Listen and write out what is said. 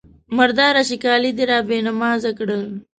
_مرداره شې! کالي دې را بې نمازه کړل.